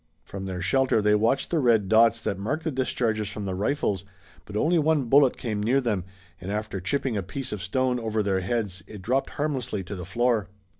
From their shelter they watched the red dots that marked the discharges from the rifles, but only one bullet came near them, and after chipping a piece of stone over their heads it dropped harmlessly to the floor.